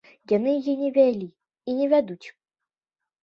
Яны яе не вялі і не вядуць.